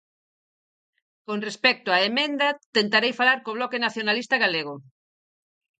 Con respecto á emenda, tentarei falar co Bloque Nacionalista Galego.